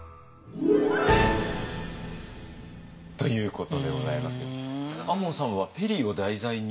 ということでございますけども亞門さんはペリーを題材に？